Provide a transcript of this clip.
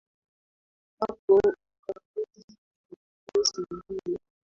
Napo ukakuta ndivyo sivyo.